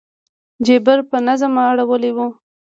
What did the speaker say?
جبیر په نظم اړولې وه.